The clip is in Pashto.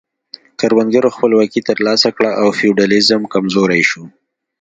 کروندګرو خپلواکي ترلاسه کړه او فیوډالیزم کمزوری شو.